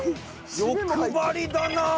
欲張りだな！